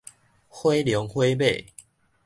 火龍火馬